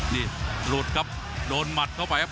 นี่หลุดครับโดนหมัดเข้าไปครับ